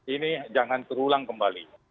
ini jangan terulang kembali